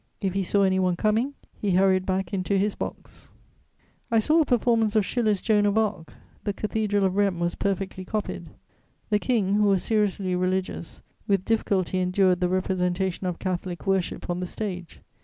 If he saw any one coming, he hurried back into his box. I saw a performance of Schiller's Joan of Arc; the Cathedral of Rheims was perfectly copied. The King, who was seriously religious, with difficulty endured the representation of Catholic worship on the stage.